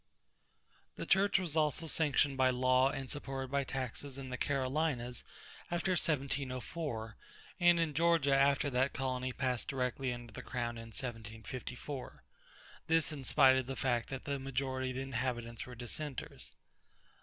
The Church was also sanctioned by law and supported by taxes in the Carolinas after 1704, and in Georgia after that colony passed directly under the crown in 1754 this in spite of the fact that the majority of the inhabitants were Dissenters.